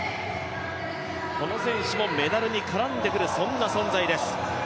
この選手もメダルに絡んでくるそんな存在です。